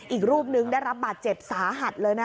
อีกรูปนึงได้รับบัตรเจ็บสาหัส